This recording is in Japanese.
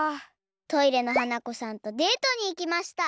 トイレの花子さんとデートにいきました。